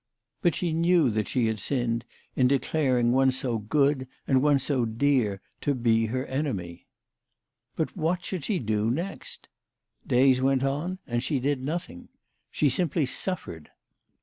But she knew that she had signed in declaring one so good, and one so dear, to be her enemy. But what should she do next ? Days went on and she did nothing. She simply suffered.